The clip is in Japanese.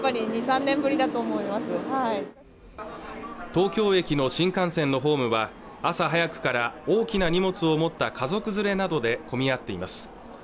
東京駅の新幹線のホームは朝早くから大きな荷物を持った家族連れなどで混み合っています